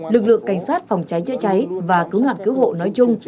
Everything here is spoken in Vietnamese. lực lượng cảnh sát phòng cháy chữa cháy và cứu nạn cứu hộ nói chung